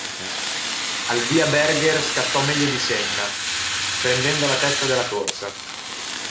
Al via Berger scattò meglio di Senna, prendendo la testa della corsa.